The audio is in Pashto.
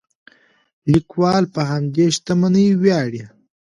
لیکوال په همدې شتمنۍ ویاړي.